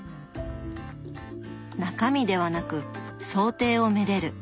中身ではなく装丁を愛でる。